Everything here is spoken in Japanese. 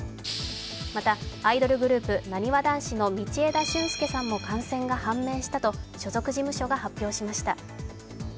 また、アイドルグループなにわ男子の道枝駿佑さんも感染が判明したと所属事務所が発表しました。